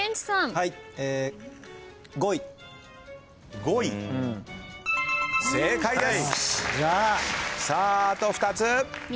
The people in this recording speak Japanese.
さああと２つ！